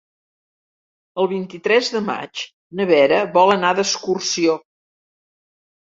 El vint-i-tres de maig na Vera vol anar d'excursió.